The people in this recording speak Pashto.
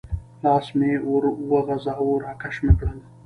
لاس مې ور وغځاوه، را کش مې کړل.